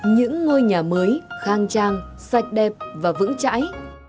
những ngôi nhà mới khang trang sạch đẹp và vững chãi